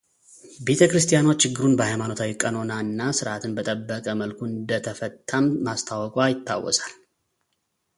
ቤተ ክርስቲያኗ ችግሩን በሃይማኖታዊ ቀኖና እና ሥርዓትን በጠበቀ መልኩ እንደተፈታም ማስታወቋ ይታወሳል